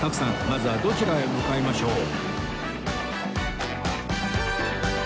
まずはどちらへ向かいましょう？